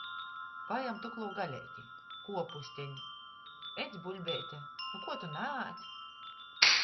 Pajem tuklū galeiti. Kuopusteni. Edz, buļbeite. Nu kuo tu naēd?